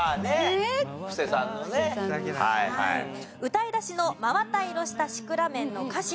歌い出しの「真綿色したシクラメン」の歌詞が印象的。